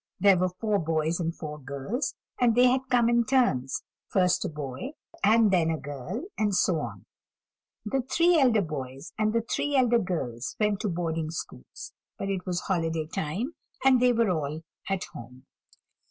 There were four boys and four girls, and they had come in turns; first a boy, and then a girl, and so on. The three elder boys and the three elder girls went to boarding schools; but it was holiday time, and they were all at home.